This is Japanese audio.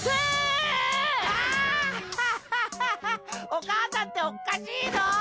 お母さんっておっかしいの！